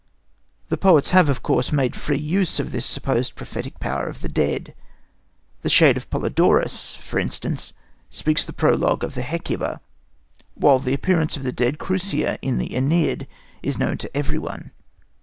The poets have, of course, made free use of this supposed prophetic power of the dead. The shade of Polydorus, for instance, speaks the prologue of the Hecuba, while the appearance of the dead Creusa in the Æneid is known to everyone.